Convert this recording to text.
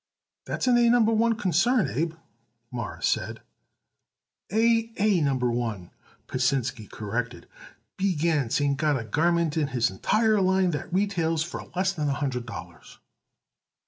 "That's an A Number One concern, Abe," Morris said. "A A Number One," Pasinsky corrected. "B. Gans ain't got a garment in his entire line that retails for less than a hundred dollars."